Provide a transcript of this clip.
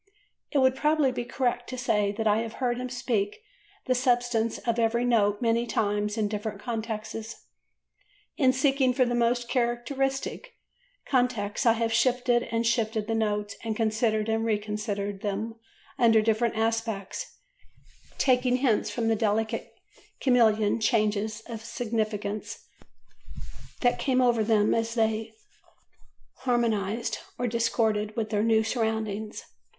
It would probably be correct to say that I have heard him speak the substance of every note many times in different contexts. In seeking for the most characteristic context, I have shifted and shifted the notes and considered and re considered them under different aspects, taking hints from the delicate chameleon changes of significance that came over them as they harmonised or discorded with their new surroundings.